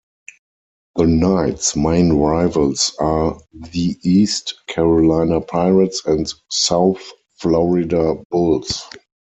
The Knights' main rivals are the East Carolina Pirates, and South Florida Bulls.